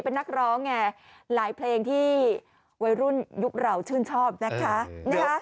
เป็นนักร้องไงหลายเพลงที่วัยรุ่นยุคเราชื่นชอบนะคะ